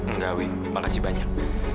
nggak wi makasih banyak